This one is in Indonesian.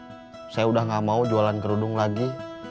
saya tetepin ke kamu saya udah nggak mau jualan kerudung lagi